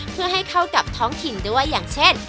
เพื่อให้เข้ากับท้องถิ่นด้วยอย่างเช่น